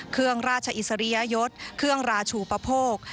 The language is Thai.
เครื่องราชอิสริยยศเครื่องราชูปโภค